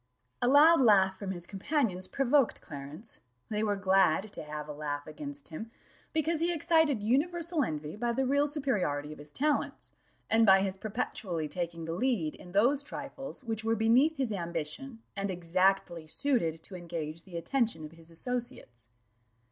A loud laugh from his companions provoked Clarence; they were glad "to have a laugh against him," because he excited universal envy by the real superiority of his talents, and by his perpetually taking the lead in those trifles which were beneath his ambition, and exactly suited to engage the attention of his associates.